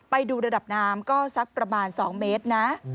ไปดูระดับน้ำก็สักประมาณ๒เมตรนะ